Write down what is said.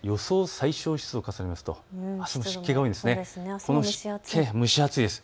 最小湿度を重ねるとあすも湿気が多いです。